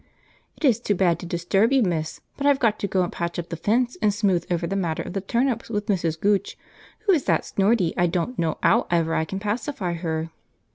"It is too bad to disturb you, miss, but I've got to go and patch up the fence, and smooth over the matter of the turnips with Mrs. Gooch, who is that snorty I don't know 'ow ever I can pacify her.